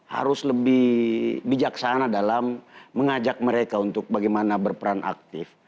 harus lebih bijaksana dalam mengajak mereka untuk bagaimana berperan aktif